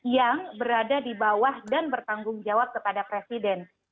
yang berada di bawah dan bertanggung jawab kepada presiden